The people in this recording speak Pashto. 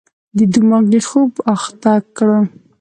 دماغي خوب اخته کړو.